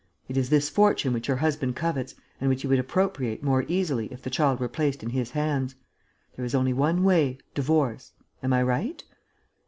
It is this fortune which your husband covets and which he would appropriate more easily if the child were placed in his hands. There is only one way: divorce. Am I right?"